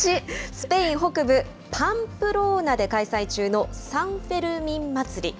スペイン北部パンプローナで開催中のサンフェルミン祭り。